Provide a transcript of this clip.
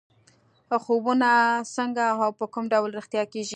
خوبونه څنګه او په کوم ډول رښتیا کېږي.